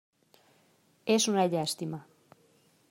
És una llàstima.